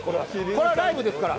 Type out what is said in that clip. これはライブですから。